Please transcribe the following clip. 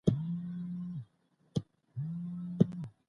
هغه موږکان چې کوچني حیوان بکتریاوې لري، بدلون نه ښيي.